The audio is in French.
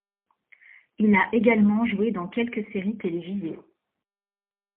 Il a également joué dans quelques sériés télévisées.